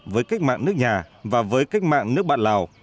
với cách mạng nước nhà và với cách mạng nước bạn lào